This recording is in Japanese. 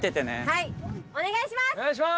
はいお願いします！